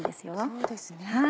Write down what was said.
そうですね。